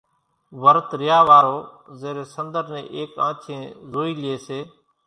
ورت ريا وارو زيرين سنۮر نين ايڪ آنڇين زوئي لئي سي۔